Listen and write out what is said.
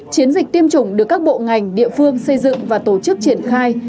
chiến dịch tiêm chủng được các bộ ngành địa phương xây dựng và tổ chức triển khai